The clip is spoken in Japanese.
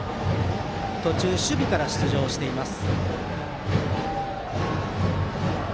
途中、守備から出場しています。